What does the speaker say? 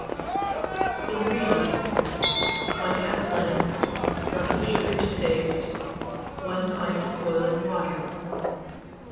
INGREDIENTS. 1/2 lemon, lump sugar to taste, 1 pint of boiling water.